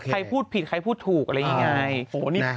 ใครพูดผิดใครพูดถูกอะไรอย่างนี้ไง